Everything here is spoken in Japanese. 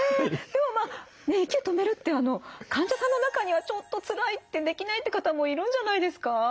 でもまあ息止めるって患者さんの中にはちょっとつらいってできないって方もいるんじゃないですか？